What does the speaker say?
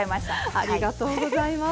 ありがとうございます。